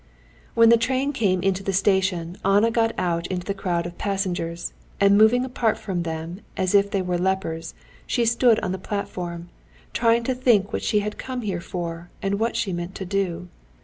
When the train came into the station, Anna got out into the crowd of passengers, and moving apart from them as if they were lepers, she stood on the platform, trying to think what she had come here for, and what she meant to do.